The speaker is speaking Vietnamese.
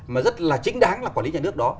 mà rất là chính đáng là quản lý nhà nước đó